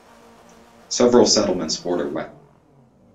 Several settlements border Wangen.